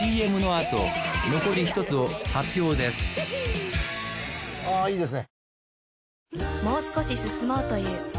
あいいですね。